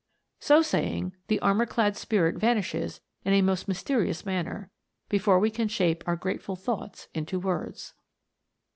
So saying, the armour clad spirit vanishes in a most myste rious manner, before we can shape our grateful thoughts into words.